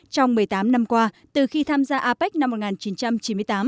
trong một mươi tám năm qua từ khi tham gia apec năm một nghìn chín trăm chín mươi tám